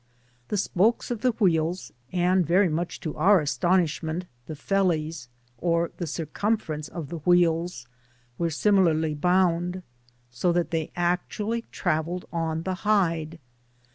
Hie spokes, and, very much to our astonishment, th^ fdli^ or th^ (arcumfarence of the wheels were similarly bound, so that they actually travelled on the hide.